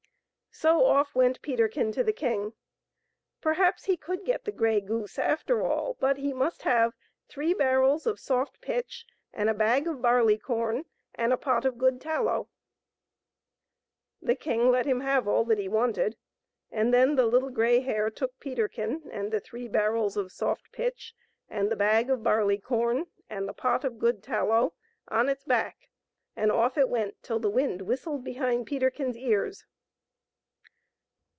So off went Peterkin to the king ; perhaps he could get the grey goose after all, but he must have three barrels of soft pitch, and a bag of barley corn, and a pot of good tallow. The king let him have all that he wanted, and then the Little Grey Hare took Peterkin and the three barrels of soft pitch and the bag of barley corn and the pot of good tallow on its back, and off it went till the wind whistled behind Peterkin*s ears.